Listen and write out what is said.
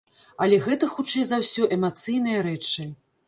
Але гэта, хутчэй за ўсё, эмацыйныя рэчы.